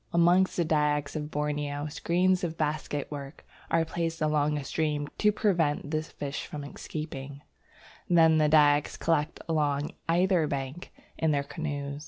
Amongst the Dyaks of Borneo, screens of basketwork are placed along a stream to prevent the fish escaping. Then the Dyaks collect along either bank in their canoes.